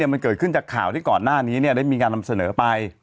มันเกิดขึ้นจากข่าวที่ก่อนหน้านี้ได้มีการนำเสนอไป